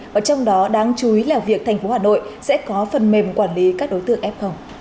và trong đó đáng chú ý là việc thành phố hà nội sẽ có phần mềm quản lý các đối tượng f